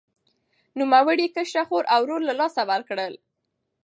نوموړي کشره خور او ورور له لاسه ورکړل.